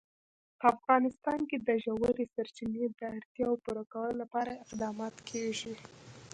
په افغانستان کې د ژورې سرچینې د اړتیاوو پوره کولو لپاره اقدامات کېږي.